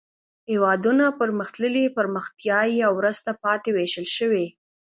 هېوادونه په پرمختللي، پرمختیایي او وروسته پاتې ویشل شوي.